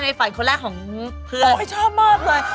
ไม่ฝันคนแรกของเพื่อนโอ๊ยชอบมากเลย